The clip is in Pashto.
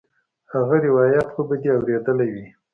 هغه روايت خو به دې اورېدلى وي.